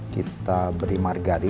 kita beri margarin